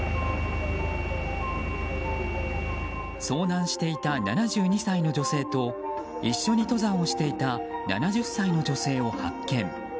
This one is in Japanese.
遭難していた７２歳の女性と一緒に登山をしていた７０歳の女性を発見。